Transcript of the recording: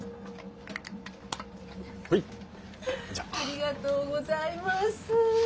ありがとうございます。